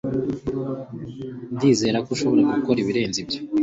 Ndizera ko ushobora gukora ibirenze ibyo